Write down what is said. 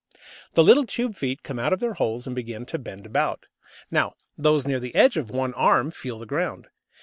The little tube feet come out of their holes and begin to bend about. Now those near the edge of one "arm" feel the ground.